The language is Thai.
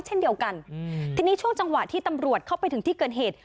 เช่นเดียวกันทีนี้ช่วงจังหวะที่ตำรวจเข้าไปถึงที่เกิดเหตุ